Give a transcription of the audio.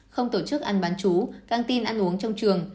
không tổ chức ăn bán chú căng tin ăn uống trong trường